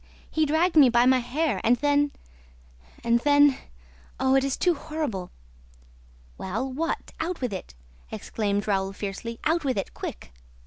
He dragged me by my hair and then ... and then ... Oh, it is too horrible!" "Well, what? Out with it!" exclaimed Raoul fiercely. "Out with it, quick!"